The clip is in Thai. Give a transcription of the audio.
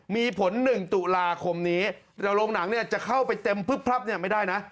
มีผล๑ตุลาคมนี้แต่โรงหนังเนี่ยจะเข้าไปเต็มพลึบพลับเนี่ยไม่ได้นะ